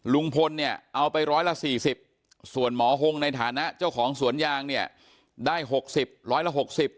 ลุงพลเนี่ยเอาไปร้อยละ๔๐ส่วนหมอฮงในฐานะเจ้าของสวนยางเนี่ยได้๖๐ร้อยละ๖๐